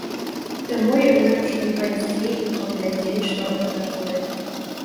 Таму я вырашыў пайсці і паглядзець, што гэта такое.